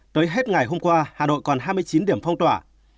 tới hết ngày hôm qua hà nội còn hai mươi chín điểm phong tỏa